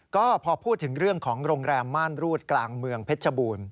ก็พอพูดถึงเรื่องของโรงแรมม่านรูดกลางเมืองเพชรบูรณ์